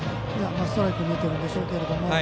ストライクを見ているんでしょうけども。